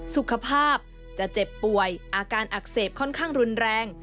สุขภาพจะเจ็บป่วยอาการอักเสบค่อนข้างรุนแรง